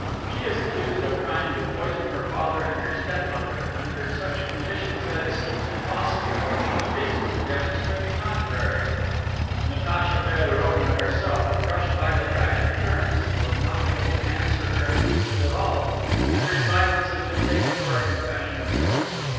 She is accused of trying to poison her father and her step mother, and under such conditions that it seems impossible for human reason to demonstrate the contrary. Natacha Feodorovna herself, crushed by the tragic occurrence, was not able to answer her accusers at all, and her silence has been taken for a confession of guilt.